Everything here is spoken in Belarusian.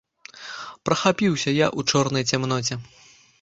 Прахапіўся я ў чорнай цямноце.